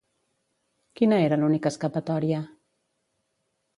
Quina era l'única escapatòria?